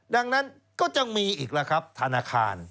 ดังนั้นก็ยังมีอีกแล้วครับธนาคาร